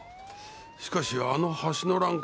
しかしあの橋の欄干